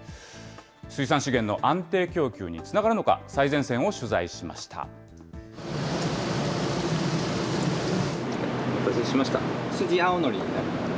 水産資源の安定供給につながるのか、最前線を取材しました。